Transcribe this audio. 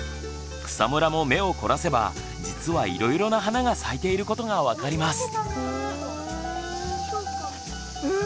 草むらも目を凝らせば実はいろいろな花が咲いていることが分かります。